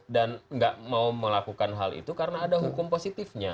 dan nggak mau melakukan hal itu karena ada hukum positifnya